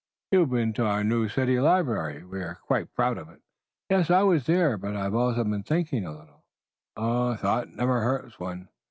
"You have been to our new city library? We are quite proud of it." "Yes, I was there, but I have also been thinking a little." "Thought never hurts one.